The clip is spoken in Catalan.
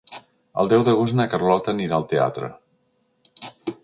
El deu d'agost na Carlota anirà al teatre.